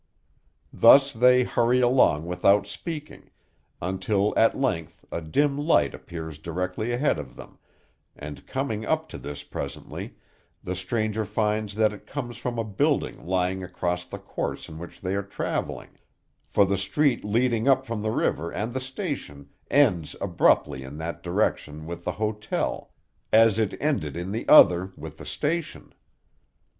Thus they hurry along without speaking, until at length a dim light appears directly ahead of them, and coming up to this presently, the stranger finds that it comes from a building lying across the course in which they are travelling; for the street leading up from the river and the station ends abruptly in that direction with the hotel, as it ended in the other with the station.